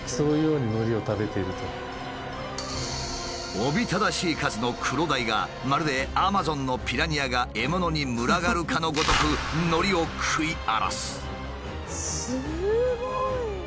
おびただしい数のクロダイがまるでアマゾンのピラニアが獲物に群がるかのごとくのりを食い荒らす。